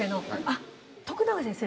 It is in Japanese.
あっ徳永先生？